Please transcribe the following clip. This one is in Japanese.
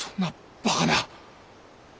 バカな！